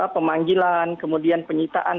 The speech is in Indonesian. pemanggilan kemudian penyitaan